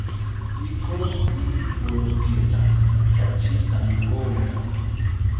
Yikwo, iyi holokela mukachi kamingonga.